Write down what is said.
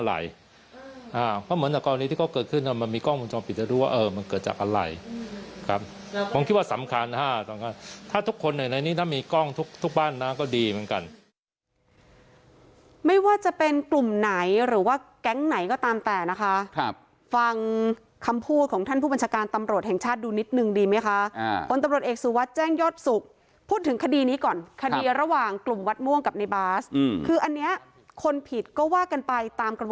เหมือนกับอันนี้ที่ก็เกิดขึ้นเนี้ยมันมีกล้องวงจรปิดแล้วดูว่าเออมันเกิดจากอะไรครับผมคิดว่าสำคัญนะฮะสำคัญถ้าทุกคนในนี้ถ้ามีกล้องทุกทุกบ้านนะก็ดีเหมือนกันไม่ว่าจะเป็นกลุ่มไหนหรือว่าแก๊งไหนก็ตามแต่นะคะครับฟังคำพูดของท่านผู้บัญชาการตำโหลดแห่งชาติดูนิดหนึ่งดีไ